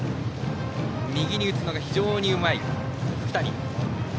右に打つのが非常にうまい福谷。